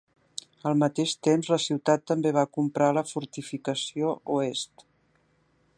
Al mateix temps, la ciutat també va comprar ela fortificació oest.